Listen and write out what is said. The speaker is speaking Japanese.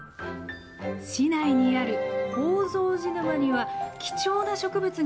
市内にある宝蔵寺沼には貴重な植物が自生しています。